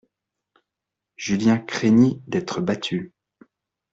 Julien craignit d'être battu.